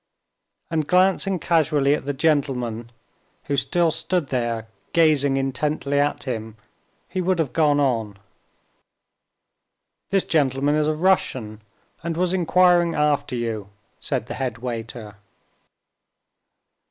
And glancing casually at the gentleman, who still stood there gazing intently at him, he would have gone on. "This gentleman is a Russian, and was inquiring after you," said the head waiter.